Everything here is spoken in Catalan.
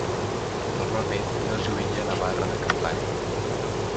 Normalment no es lluïa la barra de campanya.